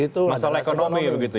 masalah ekonomi begitu ya